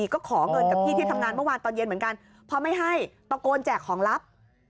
ก็ขอเงินกับพี่ที่ทำงานเมื่อวานตอนเย็นเหมือนกันพอไม่ให้ตะโกนแจกของลับ